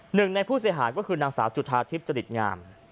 หนึ่งในผู้เสียหายก็คือนางสาวจุธาทิพย์จริตงาม